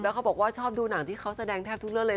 เขาบอกว่าชอบดูหนังที่เขาแสดงแทบทุกเรื่องเลย